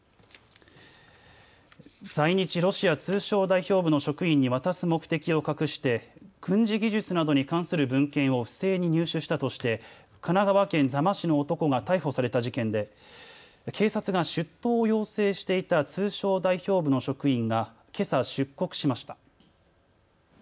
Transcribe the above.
在日ロシア通商代表部の職員に渡す目的を隠して軍事技術などに関する文献を不正に入手したとして神奈川県座間市の男が逮捕された事件で警察が出頭を要請していた通商代表部の職員がけさ、出国しました。